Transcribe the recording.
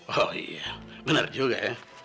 oh iya benar juga ya